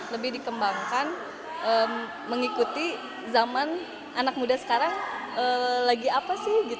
lebih dikembangkan mengikuti zaman anak muda sekarang lagi apa sih